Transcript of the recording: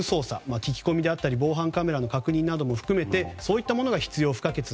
聞き込みであったり防犯カメラの確認なども含めてそういったものが必要不可欠。